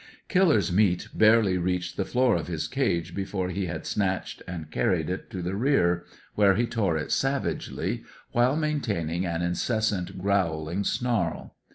Killer's meat barely reached the floor of his cage before he had snatched and carried it to the rear, where he tore it savagely, while maintaining an incessant growling snarl.